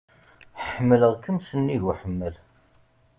Ḥemmleɣ-kem s nnig uḥemmel.